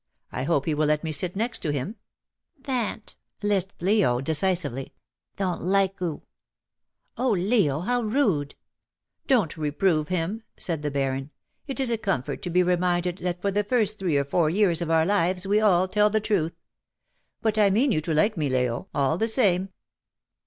I hope he will let me sit next him." " Thant," lisped Leo decisively. '' Don't like oo." " Oh, Leo, how rude." m2 164 " TIME TURNS THE OLD DAYS TO DERISION/' '^ Don^t reprove him," said the Baron. '' It is a comfort to be reminded that for the first three or four years of our lives we all tell the truth. But I mean you to like me, Leo, all the same."